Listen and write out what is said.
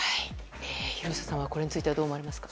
廣瀬さんは、これについてはどう思われますか？